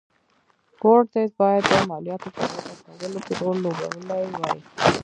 کورتس باید د مالیاتو په وضعه کولو کې رول لوبولی وای.